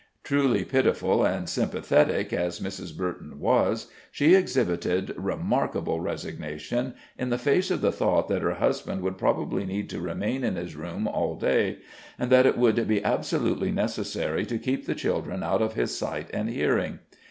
Truly pitiful and sympathetic as Mrs. Burton was, she exhibited remarkable resignation in the face of the thought that her husband would probably need to remain in his room all day, and that it would be absolutely necessary to keep the children out of his sight and hearing.